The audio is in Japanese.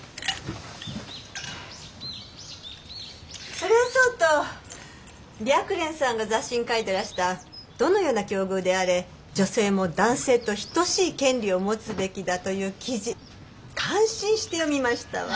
それはそうと白蓮さんが雑誌に書いてらした「どのような境遇であれ女性も男性と等しい権利を持つべきだ」という記事感心して読みましたわ。